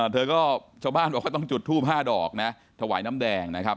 เธอก็ชาวบ้านบอกว่าต้องจุดทูป๕ดอกนะถวายน้ำแดงนะครับ